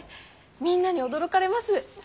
みんなに驚かれます。